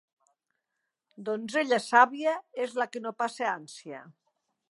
Donzella sàvia és la que no passa ànsia.